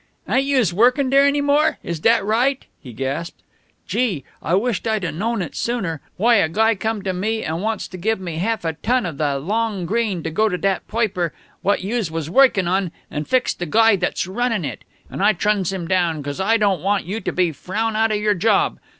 "Ain't youse woikin' dere no more? Is dat right?" he gasped. "Gee! I wisht I'd 'a' known it sooner. Why, a guy come to me and wants to give me half a ton of the long green to go to dat poiper what youse was woikin' on and fix de guy what's runnin' it. An' I truns him down 'cos I don't want you to be frown out of your job.